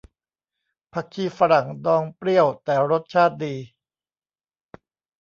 ผักชีฝรั่งดองเปรี้ยวแต่รสชาติดี